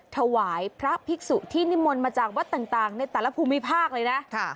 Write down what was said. ถวายพระภิกษุที่นิมนต์มาจากวัดต่างในแต่ละภูมิภาคเลยนะ